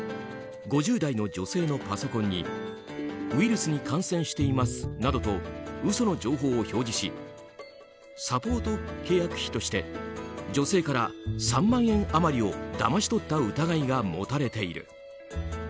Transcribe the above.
５０代の女性のパソコンにウイルスに感染していますなどと嘘の情報を表示しサポート契約費として女性から３万円余りをだまし取った疑いが持たれている。